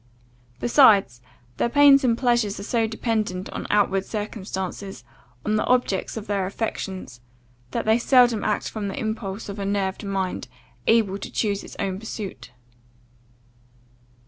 Besides, their pains and pleasures are so dependent on outward circumstances, on the objects of their affections, that they seldom act from the impulse of a nerved mind, able to choose its own pursuit.